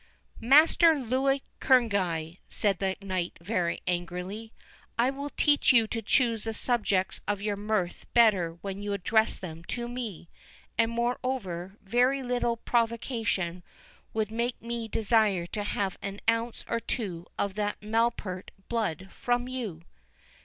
"Master Louis Kerneguy," said the knight very angrily, "I will teach you to choose the subjects of your mirth better when you address them to me; and, moreover, very little provocation would make me desire to have an ounce or two of that malapert blood from you."